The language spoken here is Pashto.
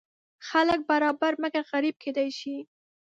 خلک برابر مګر غریب کیدی شي.